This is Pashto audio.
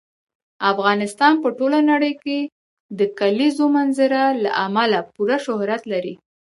افغانستان په ټوله نړۍ کې د کلیزو منظره له امله پوره شهرت لري.